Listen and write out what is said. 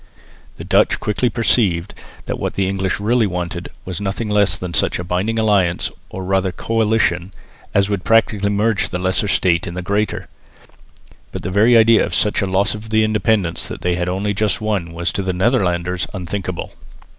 The Dutch quickly perceived that what the English really wanted was nothing less than such a binding alliance or rather coalition as would practically merge the lesser state in the greater. But the very idea of such a loss of the independence that they had only just won was to the Netherlanders unthinkable.